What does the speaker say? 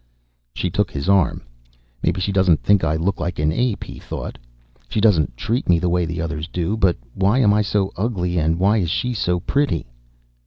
She took his arm. Maybe she doesn't think I look like an ape, he thought. She doesn't treat me the way the others do. But why am I so ugly, and why is she so pretty?